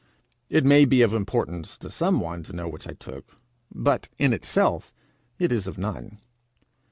It may be of importance to some one to know which I took, but in itself it is of none.